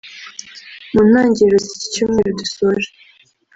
mu ntangiriro z’iki cyumweru dusoje